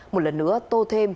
một lần nữa tô thêm